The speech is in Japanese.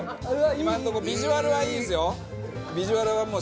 今のとこビジュアルはいいですよ。